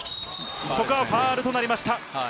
ここはファウルとなりました。